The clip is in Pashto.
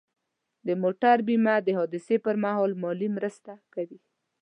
د موټر بیمه د حادثې پر مهال مالي مرسته کوي.